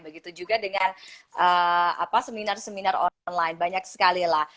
begitu juga dengan seminar seminar online banyak sekali lah